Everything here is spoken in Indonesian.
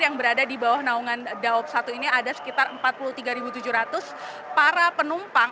yang berada di bawah naungan daob satu ini ada sekitar empat puluh tiga tujuh ratus para penumpang